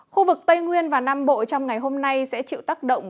khu vực tây nguyên và nam bộ trong ngày hôm nay sẽ chịu tác động